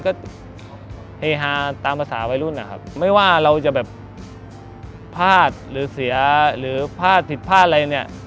ก็เฮฮาตามภาษาวัยรุ่นนะครับไม่ว่าเราจะแบบพลาดหรือเสียหรือพลาดผิดพลาดอะไรเนี่ย